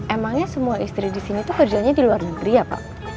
emangnya semua istri disini tuh kerjanya di luar negeri ya pak